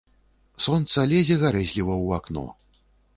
Сонца лезе гарэзліва ў акно.